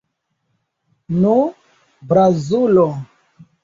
Nu, bravulo!